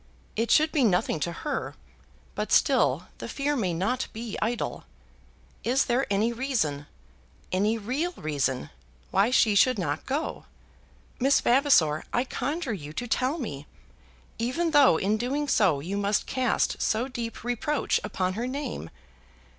It should be nothing to her, but still the fear may not be idle. Is there any reason, any real reason, why she should not go? Miss Vavasor, I conjure you to tell me, even though in doing so you must cast so deep reproach upon her name!